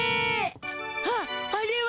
ああれは。